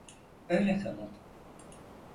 Öyle kalın.